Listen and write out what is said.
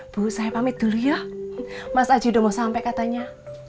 bu saya pamit dulu ya mas aji udah mau sampai katanya